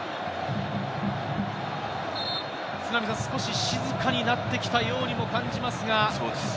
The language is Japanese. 少し静かになってきたようにも感じますが。